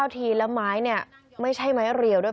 ๙๙ทีแล้วไม่ใช่ไม้เรียวด้วย